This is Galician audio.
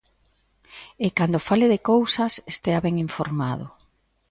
E cando fale de cousas, estea ben informado.